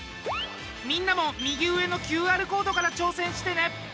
みんなも右上のＱＲコードから挑戦してね！